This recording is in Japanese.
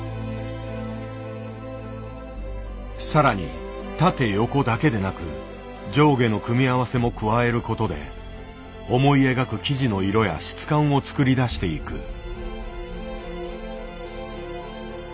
さらに縦横だけでなく上下の組み合わせも加えることで思い描く生地の色や質感を作り出していく。